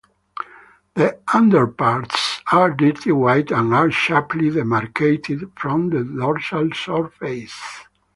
The underparts are dirty white and are sharply demarcated from the dorsal surface.